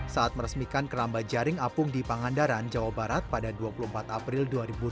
saat meresmikan keramba jaring apung di pangandaran jawa barat pada dua puluh empat april dua ribu sembilan belas